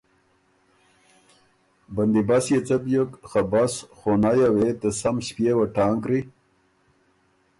بندی بست يې څۀ بیوک خه بس خونئ یه وې ته سم ݭپيېوه ټانګری،